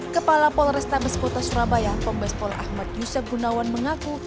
kepala polrestabes kota surabaya kombes pol ahmad yusef gunawan mengaku